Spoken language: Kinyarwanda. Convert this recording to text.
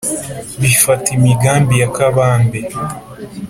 Bifata imigambi ya kabambe